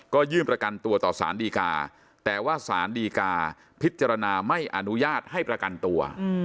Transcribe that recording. ก็ยื่นประกันตัวต่อสารดีกาแต่ว่าสารดีกาพิจารณาไม่อนุญาตให้ประกันตัว